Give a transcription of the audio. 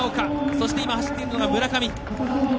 そして今、走っているのが村上。